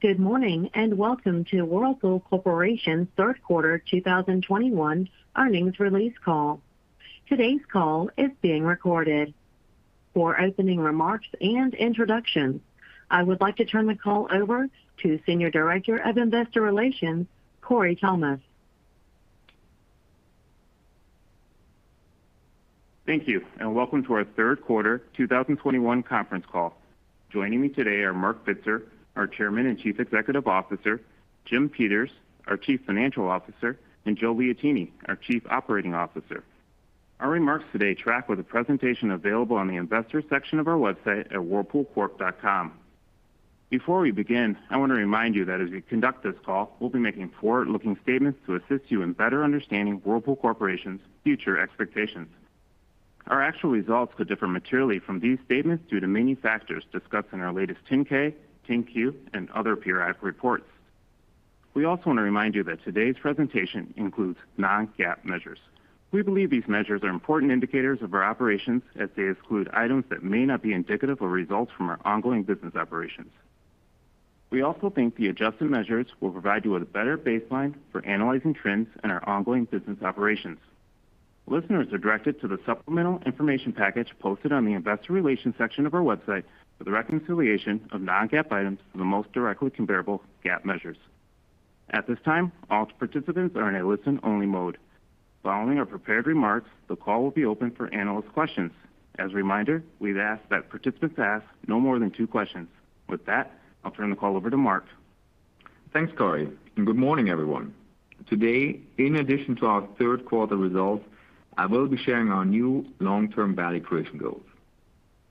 Good morning, welcome to Whirlpool Corporation's third quarter 2021 earnings release call. Today's call is being recorded. For opening remarks and introductions, I would like to turn the call over to Senior Director of Investor Relations, Korey Thomas. Thank you. Welcome to our third quarter 2021 conference call. Joining me today are Marc Bitzer, our Chairman and Chief Executive Officer, Jim Peters, our Chief Financial Officer, and Joe Liotine, our Chief Operating Officer. Our remarks today track with a presentation available on the investors section of our website at whirlpoolcorp.com. Before we begin, I want to remind you that as we conduct this call, we'll be making forward-looking statements to assist you in better understanding Whirlpool Corporation's future expectations. Our actual results could differ materially from these statements due to many factors discussed in our latest 10-K, 10-Q, and other periodic reports. We also want to remind you that today's presentation includes non-GAAP measures. We believe these measures are important indicators of our operations as they exclude items that may not be indicative of results from our ongoing business operations. We also think the adjusted measures will provide you with a better baseline for analyzing trends in our ongoing business operations. Listeners are directed to the supplemental information package posted on the investor relations section of our website for the reconciliation of non-GAAP items for the most directly comparable GAAP measures. At this time, all participants are in a listen-only mode. Following our prepared remarks, the call will be open for analyst questions. As a reminder, we'd ask that participants ask no more than two questions. With that, I'll turn the call over to Marc. Thanks, Korey, good morning, everyone. Today, in addition to our third quarter results, I will be sharing our new long-term value creation goals.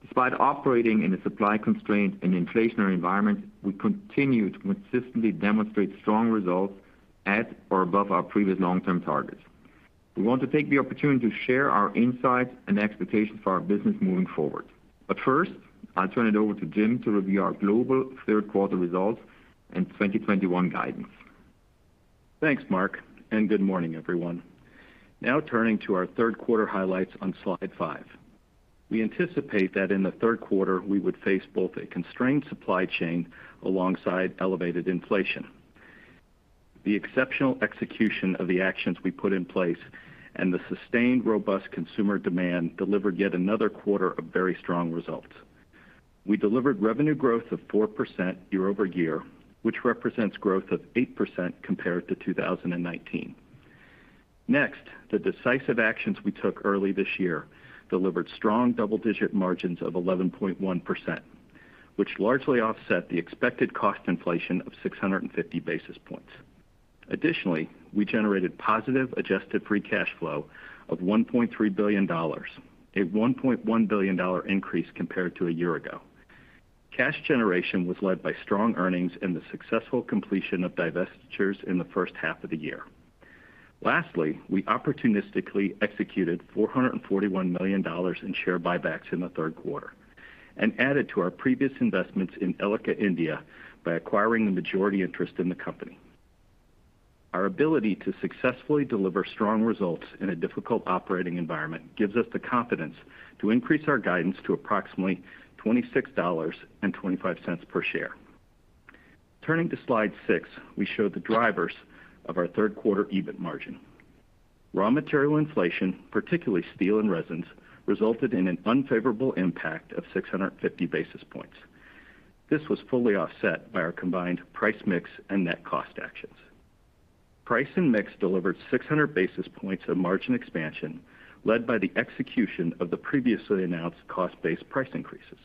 Despite operating in a supply-constrained and inflationary environment, we continue to consistently demonstrate strong results at or above our previous long-term targets. We want to take the opportunity to share our insights and expectations for our business moving forward. First, I'll turn it over to Jim to review our global third quarter results and 2021 guidance. Thanks, Marc. Good morning, everyone. Now turning to our third quarter highlights on slide five. We anticipate that in the third quarter, we would face both a constrained supply chain alongside elevated inflation. The exceptional execution of the actions we put in place and the sustained robust consumer demand delivered yet another quarter of very strong results. We delivered revenue growth of 4% year-over-year, which represents growth of 8% compared to 2019. Next, the decisive actions we took early this year delivered strong double-digit margins of 11.1%, which largely offset the expected cost inflation of 650 basis points. Additionally, we generated positive adjusted free cash flow of $1.3 billion, a $1.1 billion increase compared to a year ago. Cash generation was led by strong earnings and the successful completion of divestitures in the first half of the year. Lastly, we opportunistically executed $441 million in share buybacks in the third quarter and added to our previous investments in Elica India by acquiring a majority interest in the company. Our ability to successfully deliver strong results in a difficult operating environment gives us the confidence to increase our guidance to approximately $26.25 per share. Turning to slide six, we show the drivers of our third quarter EBIT margin. Raw material inflation, particularly steel and resins, resulted in an unfavorable impact of 650 basis points. This was fully offset by our combined price mix and net cost actions. Price and mix delivered 600 basis points of margin expansion, led by the execution of the previously announced cost-based price increases.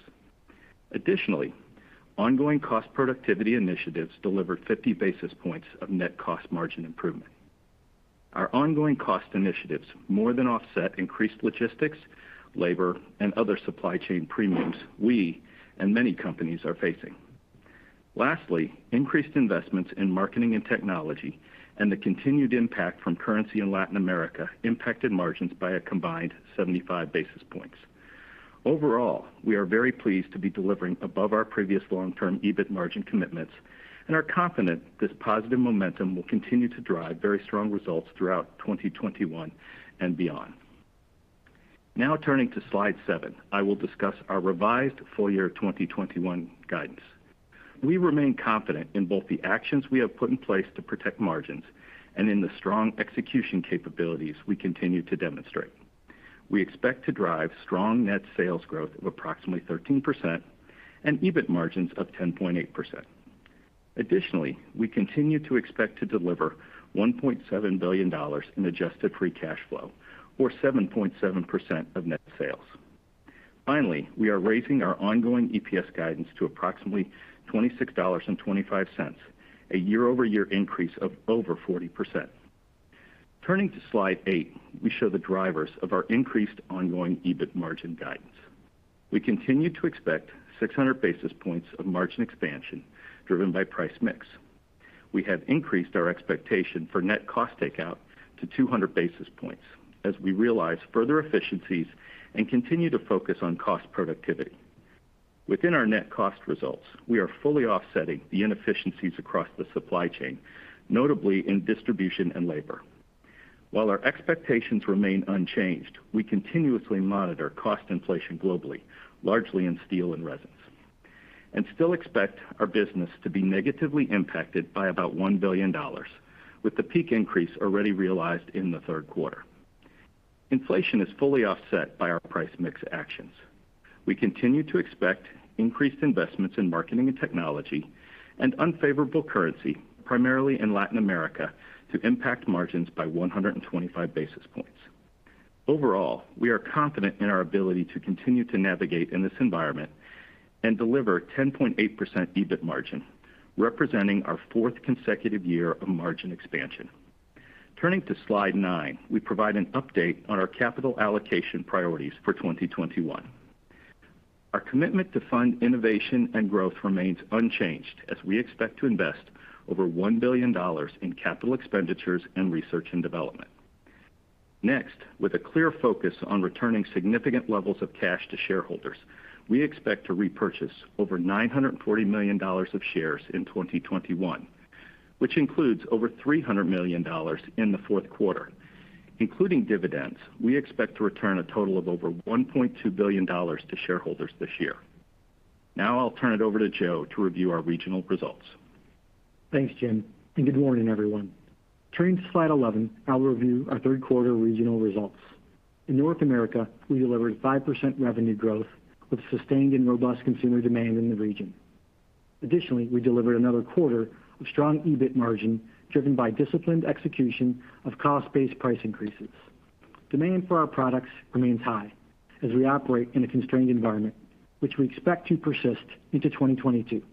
Additionally, ongoing cost productivity initiatives delivered 50 basis points of net cost margin improvement. Our ongoing cost initiatives more than offset increased logistics, labor, and other supply chain premiums we and many companies are facing. Lastly, increased investments in marketing and technology and the continued impact from currency in Latin America impacted margins by a combined 75 basis points. Overall, we are very pleased to be delivering above our previous long-term EBIT margin commitments and are confident this positive momentum will continue to drive very strong results throughout 2021 and beyond. Now turning to slide seven, I will discuss our revised full year 2021 guidance. We remain confident in both the actions we have put in place to protect margins and in the strong execution capabilities we continue to demonstrate. We expect to drive strong net sales growth of approximately 13% and EBIT margins of 10.8%. Additionally, we continue to expect to deliver $1.7 billion in adjusted free cash flow or 7.7% of net sales. Finally, we are raising our ongoing EPS guidance to approximately $26.25, a year-over-year increase of over 40%. Turning to slide eight, we show the drivers of our increased ongoing EBIT margin guidance. We continue to expect 600 basis points of margin expansion driven by price mix. We have increased our expectation for net cost takeout to 200 basis points as we realize further efficiencies and continue to focus on cost productivity. Within our net cost results, we are fully offsetting the inefficiencies across the supply chain, notably in distribution and labor. While our expectations remain unchanged, we continuously monitor cost inflation globally, largely in steel and resins, and still expect our business to be negatively impacted by about $1 billion, with the peak increase already realized in the third quarter. Inflation is fully offset by our price mix actions. We continue to expect increased investments in marketing and technology and unfavorable currency, primarily in Latin America, to impact margins by 125 basis points. Overall, we are confident in our ability to continue to navigate in this environment and deliver 10.8% EBIT margin, representing our fourth consecutive year of margin expansion. Turning to slide nine, we provide an update on our capital allocation priorities for 2021. Our commitment to fund innovation and growth remains unchanged as we expect to invest over $1 billion in capital expenditures and research and development. With a clear focus on returning significant levels of cash to shareholders, we expect to repurchase over $940 million of shares in 2021, which includes over $300 million in the fourth quarter. Including dividends, we expect to return a total of over $1.2 billion to shareholders this year. Now I'll turn it over to Joe to review our regional results. Thanks, Jim. Good morning, everyone. Turning to slide 11, I'll review our third quarter regional results. In North America, we delivered 5% revenue growth with sustained and robust consumer demand in the region. Additionally, we delivered another quarter of strong EBIT margin driven by disciplined execution of cost-based price increases. Demand for our products remains high as we operate in a constrained environment, which we expect to persist into 2022.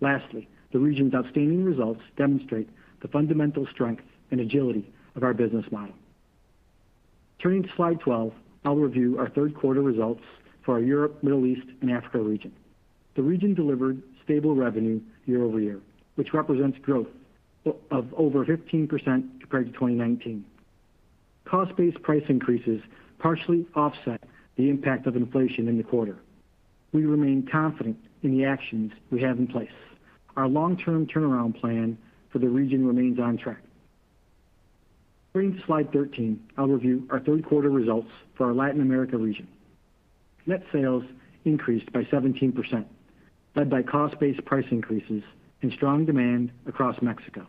Lastly, the region's outstanding results demonstrate the fundamental strength and agility of our business model. Turning to slide 12, I'll review our third quarter results for our Europe, Middle East, and Africa region. The region delivered stable revenue year-over-year, which represents growth of over 15% compared to 2019. Cost-based price increases partially offset the impact of inflation in the quarter. We remain confident in the actions we have in place. Our long-term turnaround plan for the region remains on track. Turning to slide 13, I'll review our third quarter results for our Latin America region. Net sales increased by 17%, led by cost-based price increases and strong demand across Mexico.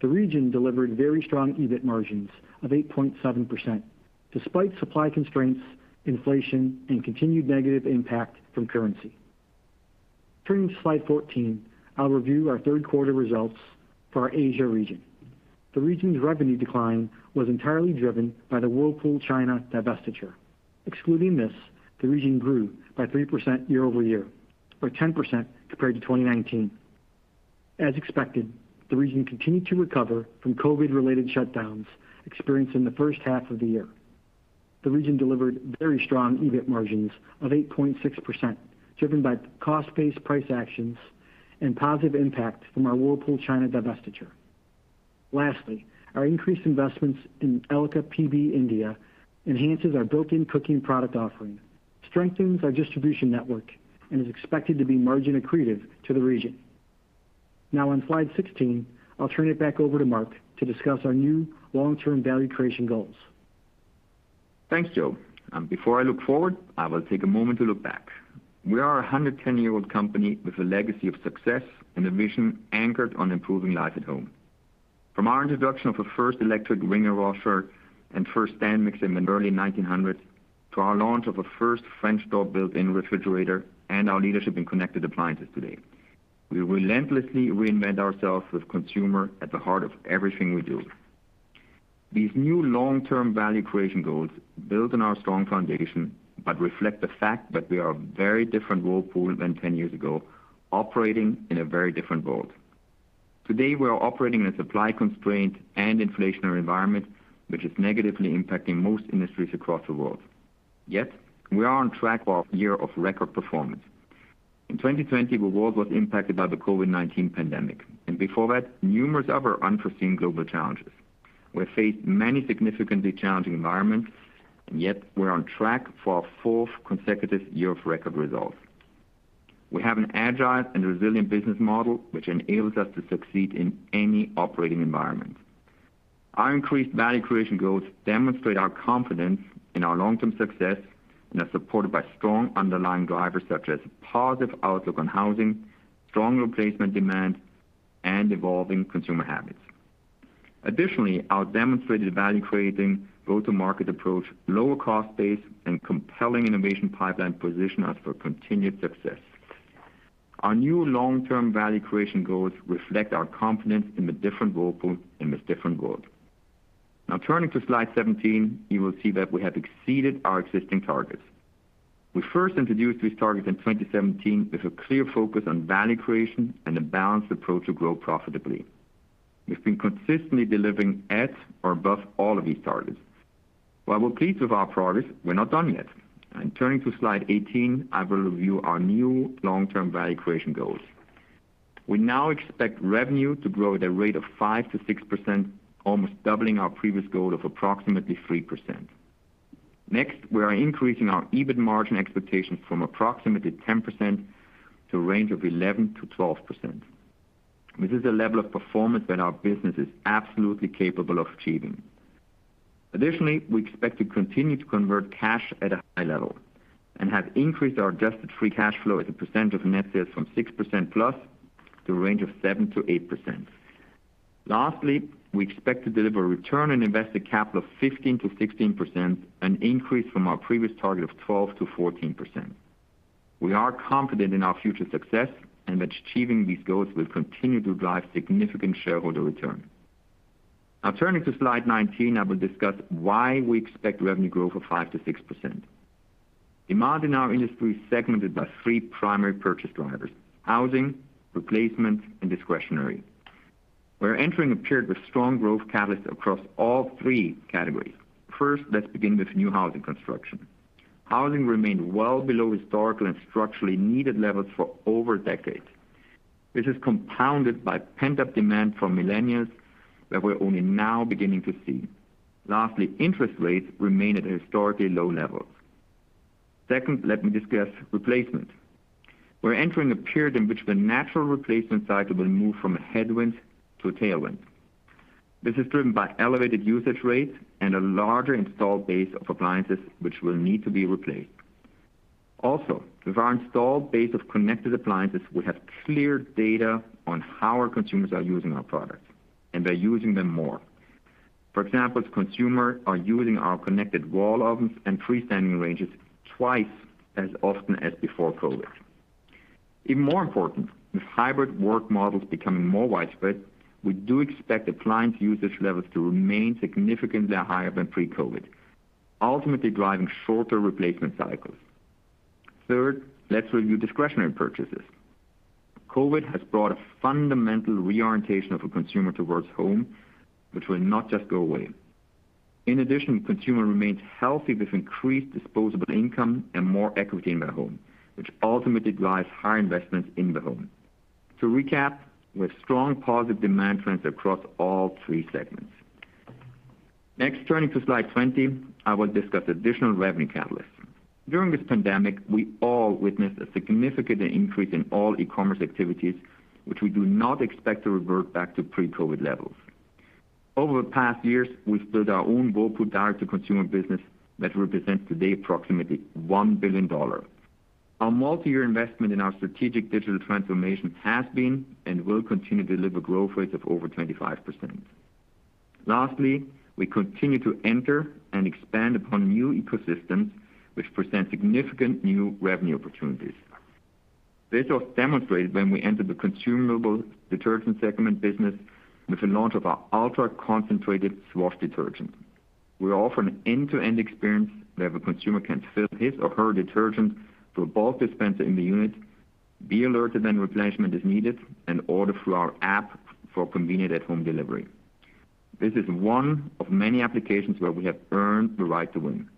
The region delivered very strong EBIT margins of 8.7%, despite supply constraints, inflation, and continued negative impact from currency. Turning to slide 14, I'll review our third quarter results for our Asia region. The region's revenue decline was entirely driven by the Whirlpool China divestiture. Excluding this, the region grew by 3% year-over-year, or 10% compared to 2019. As expected, the region continued to recover from COVID-related shutdowns experienced in the first half of the year. The region delivered very strong EBIT margins of 8.6%, driven by cost-based price actions and positive impact from our Whirlpool China divestiture. Lastly, Our increased investments in Elica PB India enhances our built-in cooking product offering, strengthens our distribution network, and is expected to be margin accretive to the region. On slide 16, I'll turn it back over to Marc to discuss our new long-term value creation goals. Thanks, Joe. Before I look forward, I will take a moment to look back. We are a 110-year-old company with a legacy of success and a vision anchored on improving life at home. From our introduction of the first electric wringer washer and first stand mixer in the early 1900s, to our launch of a first French door built-in refrigerator and our leadership in connected appliances today. We relentlessly reinvent ourselves with consumer at the heart of everything we do. These new long-term value creation goals build on our strong foundation, but reflect the fact that we are a very different Whirlpool than 10 years ago, operating in a very different world. Today, we are operating in a supply-constrained and inflationary environment, which is negatively impacting most industries across the world. We are on track for a year of record performance. In 2020, the world was impacted by the COVID-19 pandemic, and before that, numerous other unforeseen global challenges. We have faced many significantly challenging environments, and yet we're on track for a four consecutive year of record results. We have an agile and resilient business model, which enables us to succeed in any operating environment. Our increased value creation goals demonstrate our confidence in our long-term success and are supported by strong underlying drivers such as positive outlook on housing, strong replacement demand, and evolving consumer habits. Additionally, our demonstrated value-creating go-to-market approach, lower cost base, and compelling innovation pipeline position us for continued success. Our new long-term value creation goals reflect our confidence in the different Whirlpool in this different world. Now turning to slide 17, you will see that we have exceeded our existing targets. We first introduced these targets in 2017 with a clear focus on value creation and a balanced approach to grow profitably. We've been consistently delivering at or above all of these targets. While we're pleased with our progress, we're not done yet. Turning to slide 18, I will review our new long-term value creation goals. We now expect revenue to grow at a rate of 5%-6%, almost doubling our previous goal of approximately 3%. Next, we are increasing our EBIT margin expectations from approximately 10% to a range of 11%-12%. This is a level of performance that our business is absolutely capable of achieving. Additionally, we expect to continue to convert cash at a high level and have increased our adjusted free cash flow as a percent of net sales from 6%+ to a range of 7%-8%. Lastly, we expect to deliver a return on invested capital of 15%-16%, an increase from our previous target of 12%-14%. We are confident in our future success and that achieving these goals will continue to drive significant shareholder return. Now turning to slide 19, I will discuss why we expect revenue growth of 5%-6%. Demand in our industry is segmented by three primary purchase drivers, housing, replacement, and discretionary. We're entering a period with strong growth catalysts across all three categories. First, let's begin with new housing construction. Housing remained well below historical and structurally needed levels for over a decade. This is compounded by pent-up demand from millennials that we're only now beginning to see. Lastly, interest rates remain at historically low levels. Second, let me discuss replacement. We're entering a period in which the natural replacement cycle will move from a headwind to a tailwind. This is driven by elevated usage rates and a larger installed base of appliances which will need to be replaced. Also, with our installed base of connected appliances, we have clear data on how our consumers are using our products, and they're using them more. For example, consumers are using our connected wall ovens and freestanding ranges twice as often as before COVID. Even more important, with hybrid work models becoming more widespread, we do expect appliance usage levels to remain significantly higher than pre-COVID, ultimately driving shorter replacement cycles. Third, let's review discretionary purchases. COVID has brought a fundamental reorientation of a consumer towards home, which will not just go away. In addition, consumer remains healthy with increased disposable income and more equity in their home, which ultimately drives higher investments in the home. To recap, we have strong positive demand trends across all three segments. Next, turning to slide 20, I will discuss additional revenue catalysts. During this pandemic, we all witnessed a significant increase in all e-commerce activities, which we do not expect to revert back to pre-COVID levels. Over the past years, we've built our own Whirlpool direct-to-consumer business that represents today approximately $1 billion. Our multi-year investment in our strategic digital transformation has been and will continue to deliver growth rates of over 25%. Lastly, we continue to enter and expand upon new ecosystems, which present significant new revenue opportunities. This was demonstrated when we entered the consumable detergent segment business with the launch of our ultra-concentrated Swash detergent. We offer an end-to-end experience where the consumer can fill his or her detergent through a bulk dispenser in the unit, be alerted when replenishment is needed, and order through our app for convenient at-home delivery. This is one of many applications where we have earned the right to win.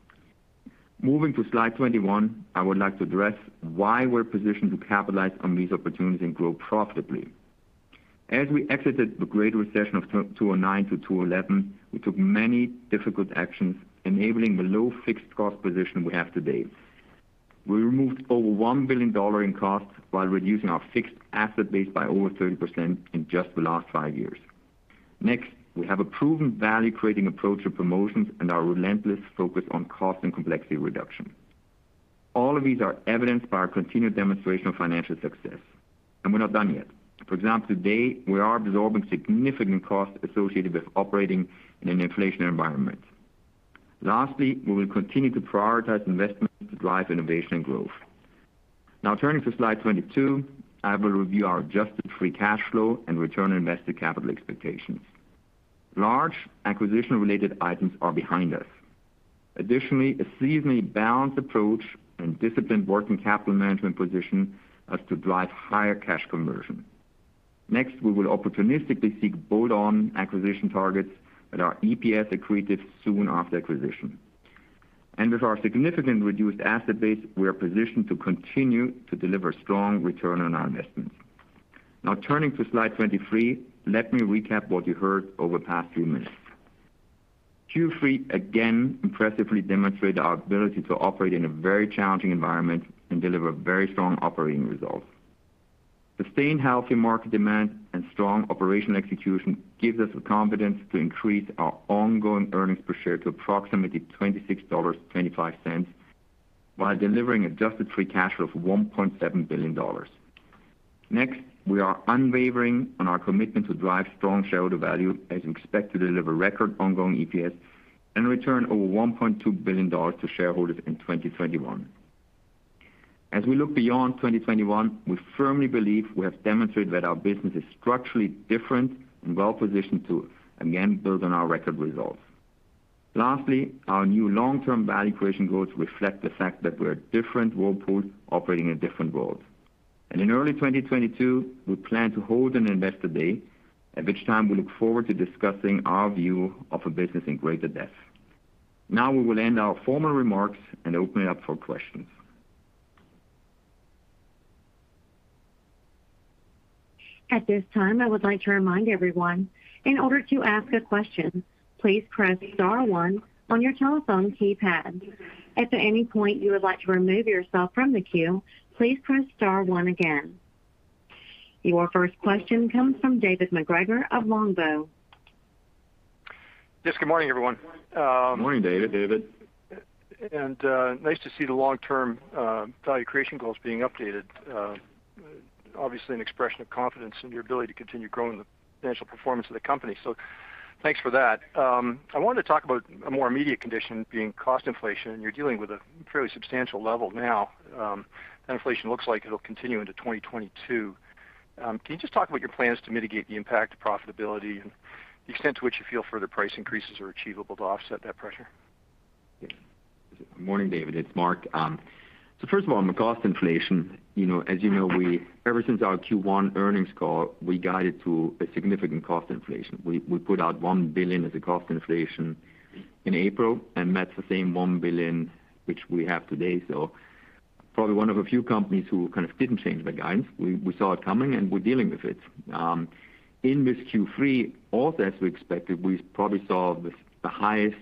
Moving to slide 21, I would like to address why we're positioned to capitalize on these opportunities and grow profitably. As we exited the Great Recession of 2009 to 2011, we took many difficult actions enabling the low fixed cost position we have today. We removed over $1 billion in costs while reducing our fixed asset base by over 30% in just the last five years. Next, we have a proven value-creating approach to promotions and our relentless focus on cost and complexity reduction. All of these are evidenced by our continued demonstration of financial success, and we're not done yet. For example, today, we are absorbing significant costs associated with operating in an inflation environment. Lastly, we will continue to prioritize investments to drive innovation and growth. Now turning to slide 22, I will review our adjusted free cash flow and return on invested capital expectations. Large acquisition-related items are behind us. Additionally, a seasonally balanced approach and disciplined working capital management position us to drive higher cash conversion. Next, we will opportunistically seek bolt-on acquisition targets that are EPS accretive soon after acquisition. With our significant reduced asset base, we are positioned to continue to deliver strong return on our investments. Now turning to slide 23, let me recap what you heard over the past few minutes. Q3 again impressively demonstrated our ability to operate in a very challenging environment and deliver very strong operating results. Sustained healthy market demand and strong operational execution gives us the confidence to increase our ongoing earnings per share to approximately $26.25 while delivering adjusted free cash flow of $1.7 billion. Next, we are unwavering on our commitment to drive strong shareholder value as we expect to deliver record ongoing EPS and return over $1.2 billion to shareholders in 2021. As we look beyond 2021, we firmly believe we have demonstrated that our business is structurally different and well-positioned to again build on our record results. Lastly, our new long-term value creation goals reflect the fact that we're a different Whirlpool operating in a different world. In early 2022, we plan to hold an Investor Day, at which time we look forward to discussing our view of the business in greater depth. Now we will end our formal remarks and open it up for questions. At this time, I would like to remind everyone, in order to ask a question, please press star one on your telephone keypad and at any point you want to remove yourself from the queue, please press star one again. Your first question comes from David M`acGregor of Longbow. Yes. Good morning, everyone. Morning, David. Morning, David. Nice to see the long-term value creation goals being updated. Obviously, an expression of confidence in your ability to continue growing the financial performance of the company. Thanks for that. I wanted to talk about a more immediate condition, being cost inflation, and you're dealing with a fairly substantial level now. That inflation looks like it'll continue into 2022. Can you just talk about your plans to mitigate the impact to profitability and the extent to which you feel further price increases are achievable to offset that pressure? Morning, David. It's Marc. First of all, on the cost inflation, as you know, ever since our Q1 earnings call, we guided to a significant cost inflation. We put out $1 billion as a cost inflation in April, and that's the same $1 billion which we have today. Probably one of a few companies who kind of didn't change their guidance. We saw it coming, and we're dealing with it. In this Q3, also as we expected, we probably saw the highest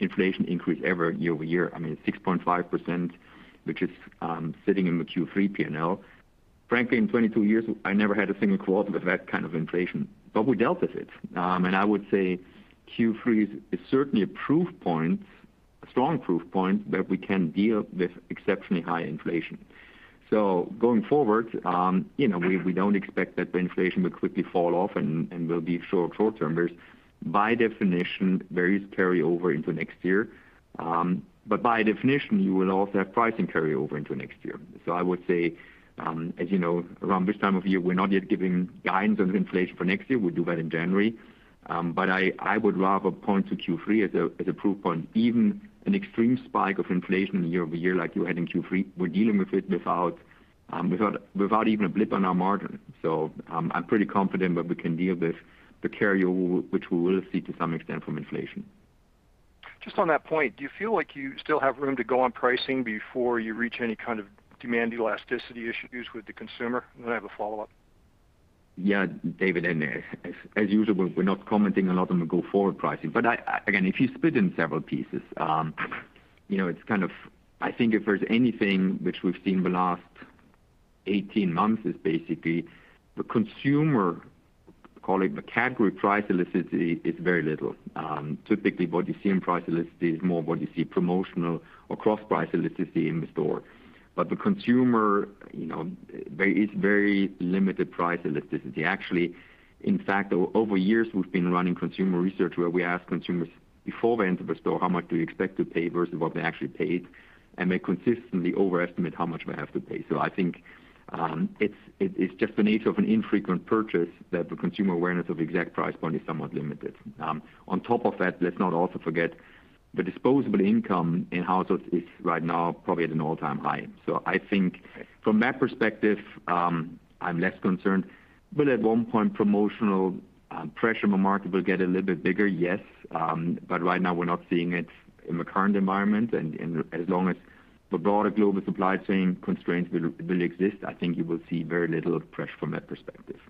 inflation increase ever year-over-year. I mean, 6.5%, which is sitting in the Q3 P&L. Frankly, in 22 years, I never had a single quarter with that kind of inflation, but we dealt with it. I would say Q3 is certainly a strong proof point that we can deal with exceptionally high inflation. Going forward, we don't expect that the inflation will quickly fall off and will be short-term. By definition, various carry over into next year. By definition, you will also have pricing carry over into next year. I would say, as you know, around this time of year, we're not yet giving guidance on inflation for next year. We'll do that in January. I would rather point to Q3 as a proof point. Even an extreme spike of inflation year-over-year like you had in Q3, we're dealing with it without even a blip on our margin. I'm pretty confident that we can deal with the carryover, which we will see to some extent from inflation. Just on that point, do you feel like you still have room to go on pricing before you reach any kind of demand elasticity issues with the consumer? I have a follow-up. Yeah, David, as usual, we're not commenting a lot on the go-forward pricing. Again, if you split in several pieces, I think if there's anything which we've seen the last 18 months is basically the consumer, call it the category price elasticity, is very little. Typically what you see in price elasticity is more what you see promotional or cross-price elasticity in the store. The consumer, there is very limited price elasticity. Actually, in fact, over years we've been running consumer research where we ask consumers before they enter the store how much do you expect to pay versus what they actually paid, and they consistently overestimate how much they have to pay. I think it's just the nature of an infrequent purchase that the consumer awareness of the exact price point is somewhat limited. On top of that, let's not also forget the disposable income in households is right now probably at an all-time high. I think from that perspective, I'm less concerned. At one point, promotional pressure in the market will get a little bit bigger, yes. Right now we're not seeing it in the current environment. As long as the broader global supply chain constraints will exist, I think you will see very little pressure from that perspective.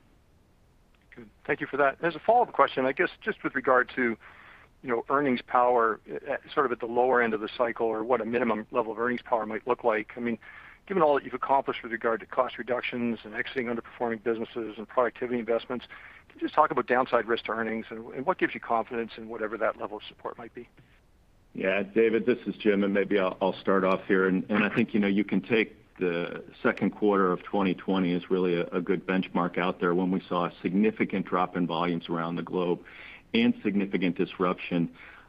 Good. Thank you for that. As a follow-up question, I guess just with regard to earnings power sort of at the lower end of the cycle or what a minimum level of earnings power might look like. Given all that you've accomplished with regard to cost reductions and exiting underperforming businesses and productivity investments, can you just talk about downside risk to earnings and what gives you confidence in whatever that level of support might be? Yeah. David, this is Jim, maybe I'll start off here. I think you can take the second quarter of 2020 as really a good benchmark out there when we saw a significant drop in volumes around the globe and significant disruption.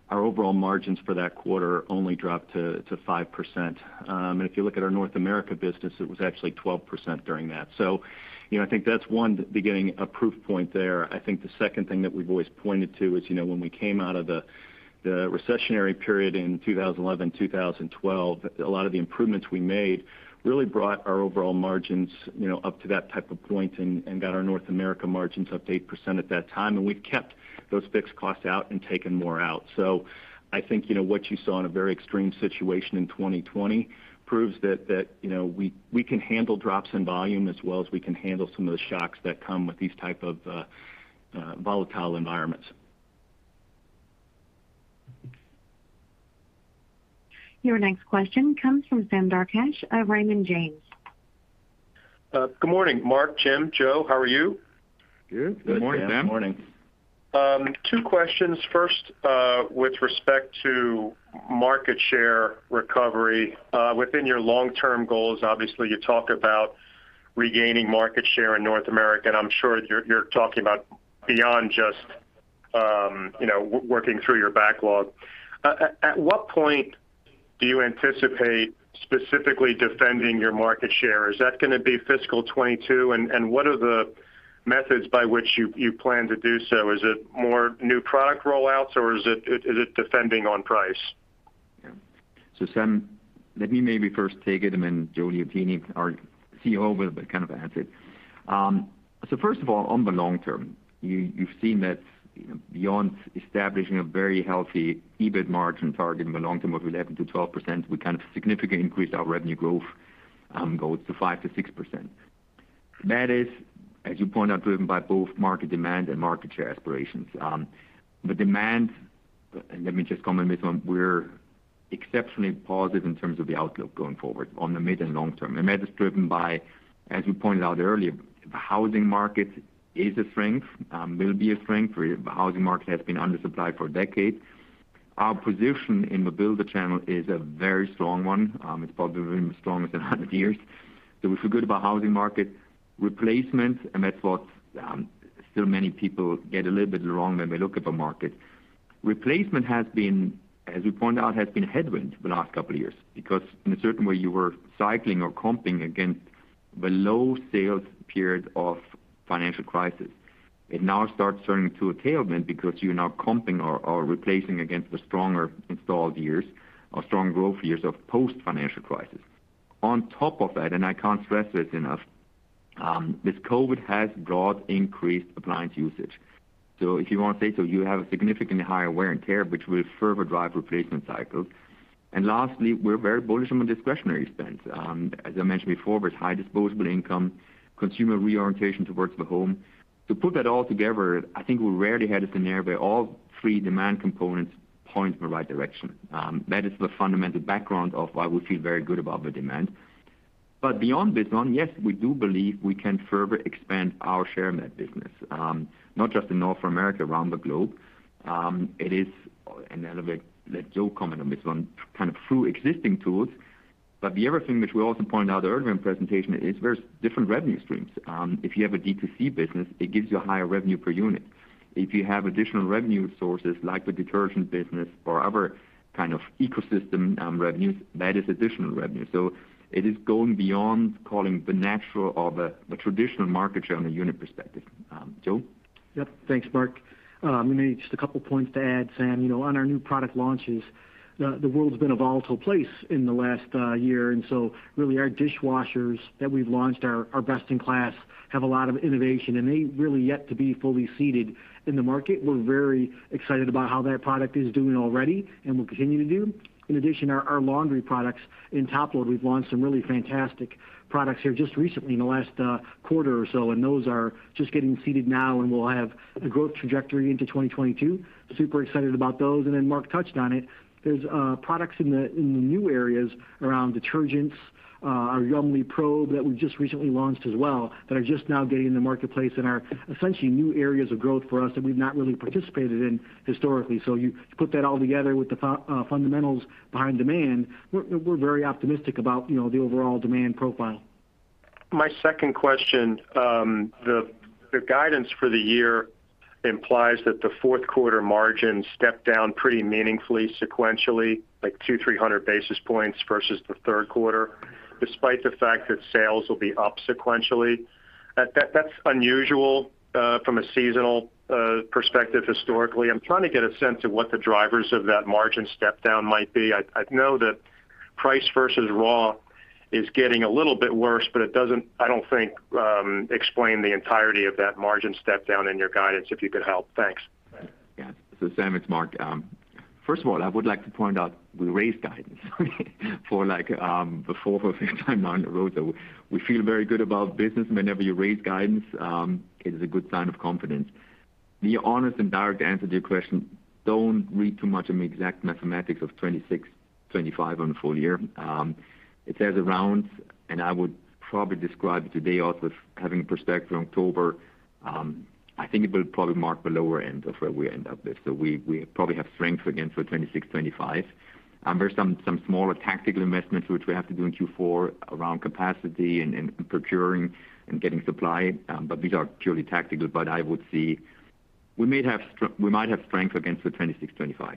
Our overall margins for that quarter only dropped to 5%. If you look at our North America business, it was actually 12% during that. I think that's one, beginning a proof point there. I think the second thing that we've always pointed to is when we came out of the recessionary period in 2011, 2012, a lot of the improvements we made really brought our overall margins up to that type of point and got our North America margins up to 8% at that time. We've kept those fixed costs out and taken more out. I think what you saw in a very extreme situation in 2020 proves that we can handle drops in volume as well as we can handle some of the shocks that come with these type of volatile environments. Your next question comes from Sam Darkatsh of Raymond James. Good morning, Marc, Jim, Joe. How are you? Good. Good morning, Sam. Morning. Two questions. First, with respect to market share recovery. Within your long-term goals, obviously you talk about regaining market share in North America. I'm sure you're talking about beyond just working through your backlog. At what point do you anticipate specifically defending your market share? Is that going to be fiscal 2022? What are the methods by which you plan to do so? Is it more new product roll-outs or is it defending on price? Sam, let me maybe first take it and then Joe Liotine, our COO, will kind of add to it. First of all, on the long term, you've seen that beyond establishing a very healthy EBIT margin target in the long term of 11%-12%, we kind of significantly increased our revenue growth goals to 5%-6%. That is, as you pointed out, driven by both market demand and market share aspirations. On the demand, let me just comment on this one, we're exceptionally positive in terms of the outlook going forward on the mid and long term. That is driven by, as we pointed out earlier, the housing market is a strength, will be a strength. The housing market has been under-supplied for a decade. Our position in the builder channel is a very strong one. It's probably been the strongest in 100 years. We feel good about housing market replacement, and that's what still many people get a little bit wrong when they look at the market. Replacement has, as we pointed out, been headwinds the last couple of years because in a certain way you were cycling or comping against the low sales period of financial crisis. It now starts turning to a tailwind because you're now comping or replacing against the stronger installed years or strong growth years of post-financial crisis. On top of that, and I can't stress this enough, this COVID has brought increased appliance usage. If you want to say so, you have a significantly higher wear and tear, which will further drive replacement cycles. Lastly, we're very bullish on the discretionary spend. As I mentioned before, with high disposable income, consumer reorientation towards the home. To put that all together, I think we rarely had a scenario where all three demand components point in the right direction. That is the fundamental background of why we feel very good about the demand. Beyond this one, yes, we do believe we can further expand our share in that business, not just in North America, around the globe. It is, and I'll let Joe comment on this one, kind of through existing tools. The other thing, which we also pointed out earlier in presentation, is there's different revenue streams. If you have a D2C business, it gives you a higher revenue per unit. If you have additional revenue sources like the detergent business or other kind of ecosystem revenues, that is additional revenue. It is going beyond calling the natural or the traditional market share on a unit perspective. Joe? Thanks, Marc. Maybe just a couple points to add, Sam. On our new product launches, the world's been a volatile place in the last year, really our dishwashers that we've launched are best in class, have a lot of innovation, and they really yet to be fully seeded in the market. We're very excited about how that product is doing already and will continue to do. In addition, our laundry products. In top load, we've launched some really fantastic products here just recently in the last quarter or so, those are just getting seeded now and will have a growth trajectory into 2022. Super excited about those. Marc touched on it, there's products in the new areas around detergents, our Yummly probe that we just recently launched as well, that are just now getting in the marketplace and are essentially new areas of growth for us that we've not really participated in historically. You put that all together with the fundamentals behind demand, we're very optimistic about the overall demand profile. My second question, the guidance for the year implies that the fourth quarter margin stepped down pretty meaningfully sequentially, like 200, 300 basis points versus the third quarter, despite the fact that sales will be up sequentially. That's unusual from a seasonal perspective historically. I'm trying to get a sense of what the drivers of that margin step-down might be. I know that price versus raw is getting a little bit worse, but it doesn't, I don't think, explain the entirety of that margin step-down in your guidance, if you could help. Thanks. Sam, it's Marc. First of all, I would like to point out we raised guidance for like, the fourth or fifth time on the road show. We feel very good about business. Whenever you raise guidance, it is a good sign of confidence. The honest and direct answer to your question, don't read too much in the exact mathematics of $26.25 on the full year. It says around, I would probably describe it today also as having a perspective on October, I think it will probably mark the lower end of where we end up. We probably have strength against the $26.25. There's some smaller tactical investments which we have to do in Q4 around capacity and procuring and getting supply. These are purely tactical. I would see, we might have strength against the $26.25. Yeah.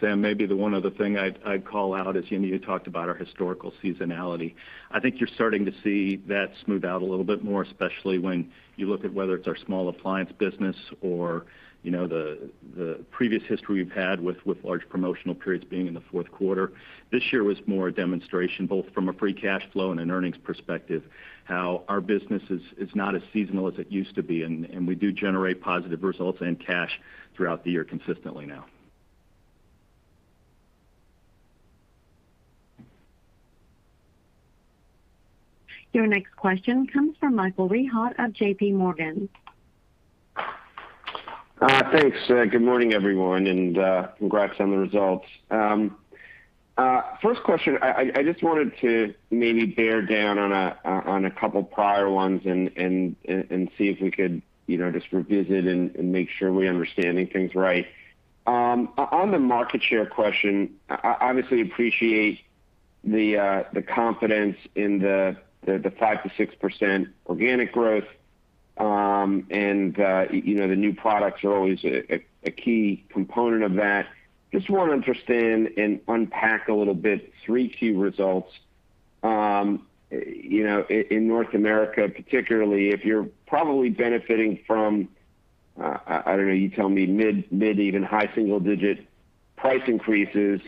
Sam, maybe the one other thing I'd call out is, you talked about our historical seasonality. I think you're starting to see that smooth out a little bit more, especially when you look at whether it's our small appliance business or the previous history we've had with large promotional periods being in the fourth quarter. This year was more a demonstration, both from a free cash flow and an earnings perspective, how our business is not as seasonal as it used to be, and we do generate positive results and cash throughout the year consistently now. Your next question comes from Michael Rehaut of JPMorgan. Thanks. Good morning, everyone, and congrats on the results. First question, I just wanted to maybe bear down on a couple prior ones and see if we could just revisit and make sure we're understanding things right. On the market share question, obviously appreciate the confidence in the 5%-6% organic growth. The new products are always a key component of that. Just want to understand and unpack a little bit 3Q results. In North America particularly, if you're probably benefiting from, I don't know, you tell me, mid, even high single-digit price increases,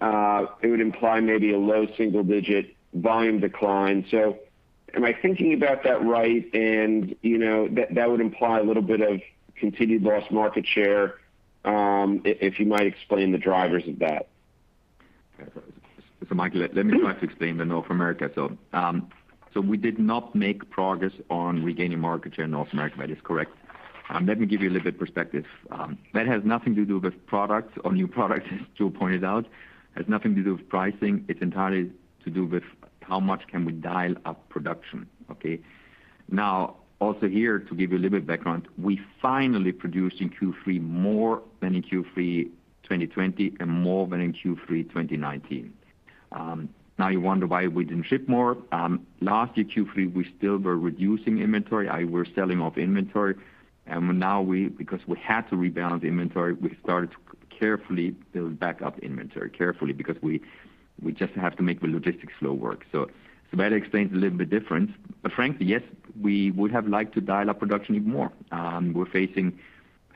it would imply maybe a low single-digit volume decline. Am I thinking about that right? That would imply a little bit of continued lost market share, if you might explain the drivers of that. Michael, let me try to explain the North America. We did not make progress on regaining market share in North America. That is correct. Let me give you a little bit perspective. That has nothing to do with product or new product, as Joe pointed out. It has nothing to do with pricing. It's entirely to do with how much can we dial up production, okay? Now, also here, to give you a little bit of background, we finally produced in Q3 more than in Q3 2020 and more than in Q3 2019. Now you wonder why we didn't ship more. Last Q3, we still were reducing inventory. We were selling off inventory. Now, because we had to rebalance inventory, we started to carefully build back up inventory. Carefully, because we just have to make the logistics flow work. That explains the little bit difference. Frankly, yes, we would have liked to dial up production even more. We're facing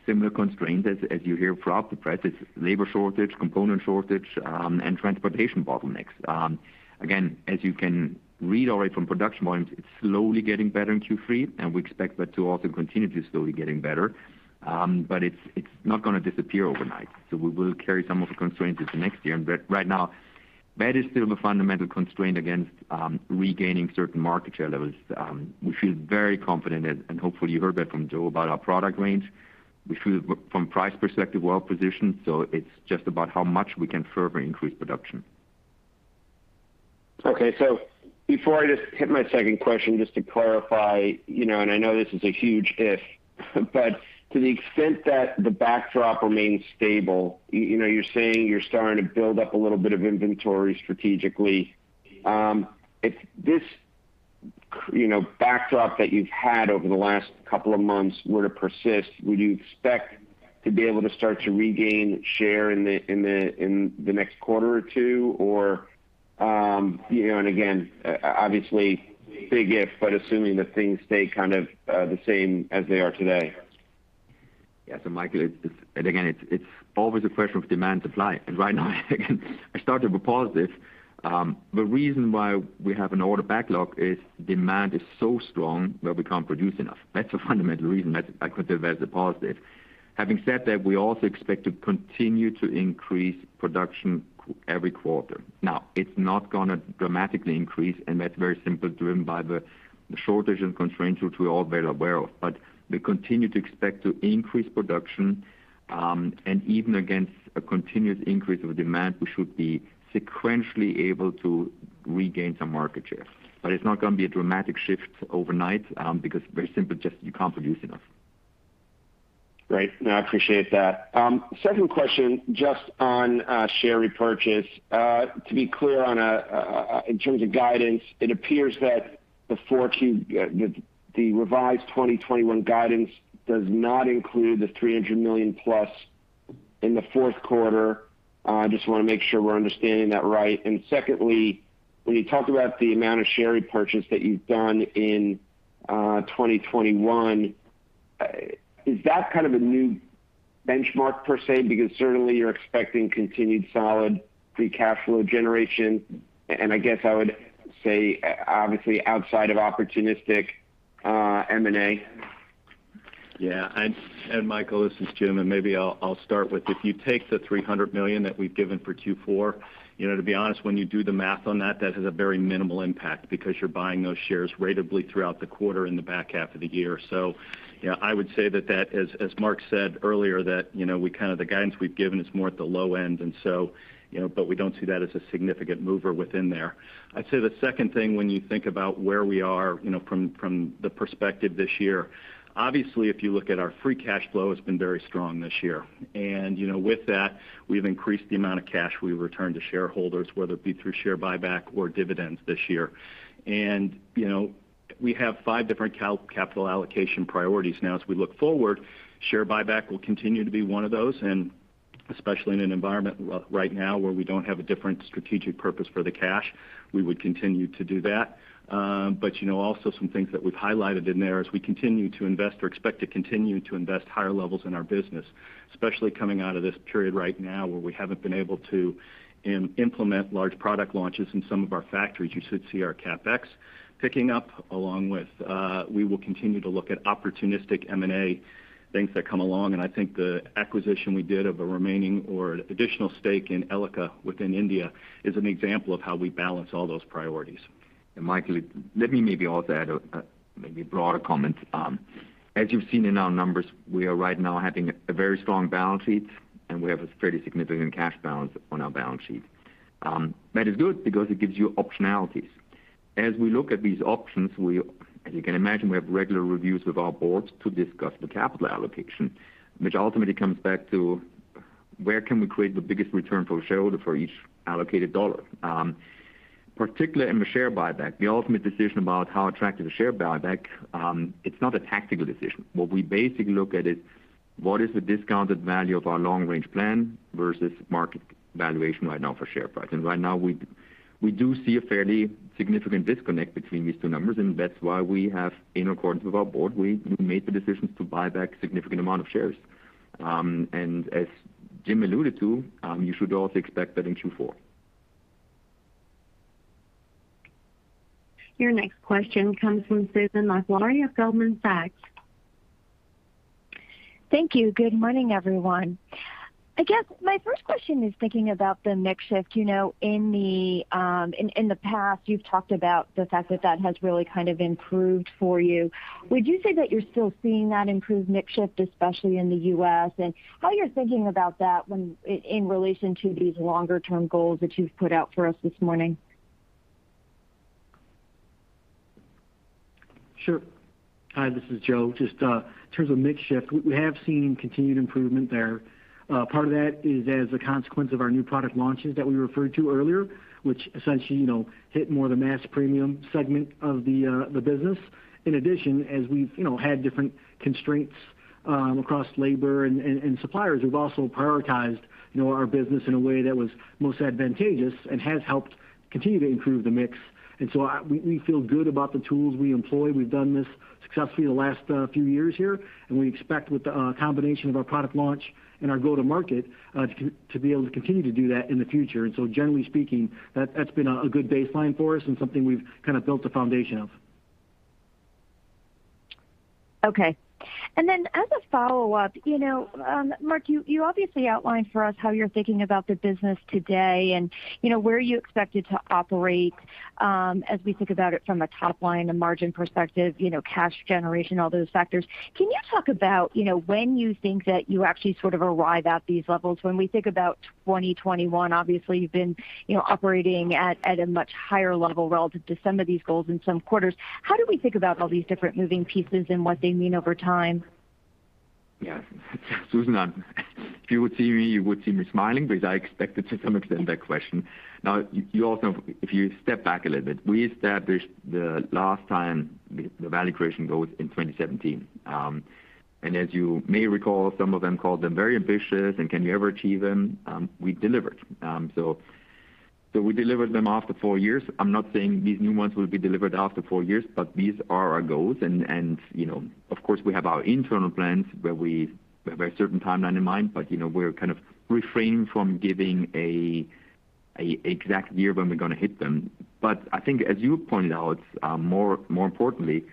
similar constraints as you hear throughout the press. It's labor shortage, component shortage, and transportation bottlenecks. Again, as you can read already from production volumes, it's slowly getting better in Q3, and we expect that to also continue to slowly getting better. It's not going to disappear overnight. We will carry some of the constraints into next year. Right now, that is still the fundamental constraint against regaining certain market share levels. We feel very confident, and hopefully you heard that from Joe about our product range. We feel from price perspective well-positioned, so it's just about how much we can further increase production. Okay. Before I just hit my second question, just to clarify, and I know this is a huge if, but to the extent that the backdrop remains stable, you're saying you're starting to build up a little bit of inventory strategically. If this backdrop that you've had over the last couple of months were to persist, would you expect to be able to start to regain share in the next quarter or two? Again, obviously big if, but assuming that things stay kind of the same as they are today. Yeah. Michael, again, it's always a question of demand supply. Right now, again, I start with a positive. The reason why we have an order backlog is demand is so strong that we can't produce enough. That's the fundamental reason. I consider that as a positive. Having said that, we also expect to continue to increase production every quarter. It's not going to dramatically increase, and that's very simply driven by the shortage and constraints, which we're all very aware of. We continue to expect to increase production, and even against a continued increase of demand, we should be sequentially able to regain some market share. It's not going to be a dramatic shift overnight, because very simply just you can't produce enough. Great. No, I appreciate that. Second question, just on share repurchase. To be clear in terms of guidance, it appears that the revised 2021 guidance does not include the $300 million+ in the fourth quarter. I just want to make sure we're understanding that right. Secondly, when you talk about the amount of share repurchase that you've done in 2021, is that kind of a new benchmark per se? Certainly you're expecting continued solid free cash flow generation, and I guess I would say obviously outside of opportunistic M&A. Michael, this is Jim, and maybe I'll start with if you take the $300 million that we've given for Q4, to be honest, when you do the math on that has a very minimal impact because you're buying those shares ratably throughout the quarter in the back half of the year. I would say that that, as Marc said earlier, that the guidance we've given is more at the low end, but we don't see that as a significant mover within there. I'd say the second thing when you think about where we are from the perspective this year, obviously, if you look at our free cash flow, it's been very strong this year. With that, we've increased the amount of cash we return to shareholders, whether it be through share buyback or dividends this year. We have five different capital allocation priorities now as we look forward. Share buyback will continue to be one of those, and especially in an environment right now where we don't have a different strategic purpose for the cash, we would continue to do that. Also some things that we've highlighted in there as we continue to invest or expect to continue to invest higher levels in our business, especially coming out of this period right now where we haven't been able to implement large product launches in some of our factories. You should see our CapEx picking up along with we will continue to look at opportunistic M&A things that come along, and I think the acquisition we did of a remaining or additional stake in Elica within India is an example of how we balance all those priorities. Michael, let me also add a broader comment. As you've seen in our numbers, we are right now having a very strong balance sheet, and we have a fairly significant cash balance on our balance sheet. That is good because it gives you optionalities. As we look at these options, as you can imagine, we have regular reviews with our boards to discuss the capital allocation, which ultimately comes back to where can we create the biggest return for the shareholder for each allocated dollar. Particularly in the share buyback, the ultimate decision about how attractive the share buyback, it's not a tactical decision. What we basically look at is what is the discounted value of our long-range plan versus market valuation right now for share price. Right now we do see a fairly significant disconnect between these two numbers, and that's why we have, in accordance with our board, we made the decisions to buy back significant amount of shares. As Jim alluded to, you should also expect that in Q4. Your next question comes from Susan Maklari of Goldman Sachs. Thank you. Good morning, everyone. I guess my first question is thinking about the mix shift. In the past, you've talked about the fact that that has really improved for you. Would you say that you're still seeing that improved mix shift, especially in the U.S., and how you're thinking about that in relation to these longer-term goals that you've put out for us this morning? Sure. Hi, this is Joe. Just in terms of mix shift, we have seen continued improvement there. Part of that is as a consequence of our new product launches that we referred to earlier, which essentially hit more of the mass premium segment of the business. In addition, as we've had different constraints across labor and suppliers, we've also prioritized our business in a way that was most advantageous and has helped continue to improve the mix. We feel good about the tools we employ. We've done this successfully the last few years here, and we expect with the combination of our product launch and our go to market, to be able to continue to do that in the future. Generally speaking, that's been a good baseline for us and something we've built a foundation of. Okay. As a follow-up, Marc, you obviously outlined for us how you're thinking about the business today and where you expect it to operate as we think about it from a top line, a margin perspective, cash generation, all those factors. Can you talk about when you think that you actually arrive at these levels? When we think about 2021, obviously you've been operating at a much higher level relative to some of these goals in some quarters. How do we think about all these different moving pieces and what they mean over time? Yeah. Susan, if you would see me, you would see me smiling because I expected to some extent that question. If you step back a little bit, we established the last time the value creation goals in 2017. As you may recall, some of them called them very ambitious and can you ever achieve them? We delivered. We delivered them after four years. I'm not saying these new ones will be delivered after four years, but these are our goals, and of course, we have our internal plans where we have a certain timeline in mind, but we're refraining from giving a exact year when we're going to hit them. I think as you pointed out, more importantly,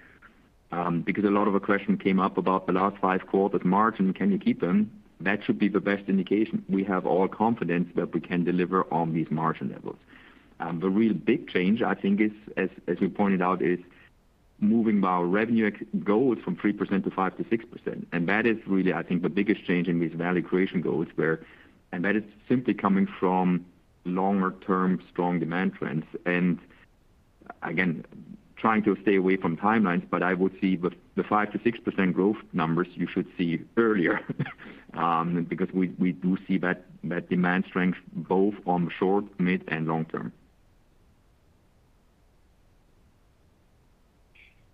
because a lot of the question came up about the last five quarters margin, can you keep them? That should be the best indication. We have all confidence that we can deliver on these margin levels. The real big change, I think, as we pointed out, is moving our revenue goals from 3% to 5%-6%. That is really, I think, the biggest change in these value creation goals, and that is simply coming from longer term strong demand trends. Again, trying to stay away from timelines, but I would see the 5%-6% growth numbers you should see earlier because we do see that demand strength both on short, mid, and long term.